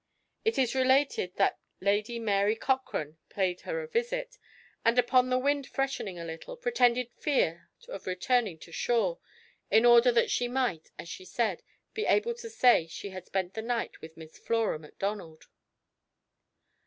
It is related that Lady Mary Cochrane paid her a visit, and upon the wind freshening a little, pretended fear of returning to shore, in order that she might, as she said, be able to say she had spent the night with Miss Flora Macdonald.